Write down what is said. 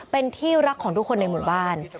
เป็นที่รักของทุกคนในหมู่บ้าน